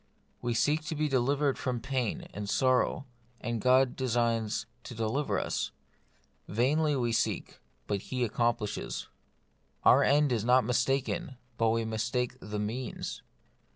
We seek to be delivered from pain and sorrow, and God designs to deliver us. Vainly we seek, but He accomplishes. Our end is The Mystery of Pain. yj not mistaken, but we mistake the means.